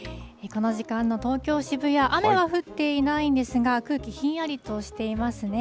この時間の東京・渋谷、雨は降っていないんですが、空気ひんやりとしていますね。